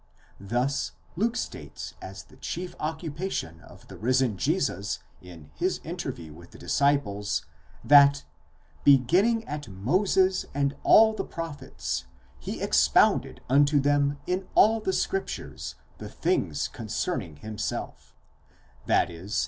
'Thus Luke states as the chief occupation of the risen Jesus in his interview with the disciples, that deginning at Moses and all the prophets, he expounded unto them in all the scriptures the things concern ing himself, i.e.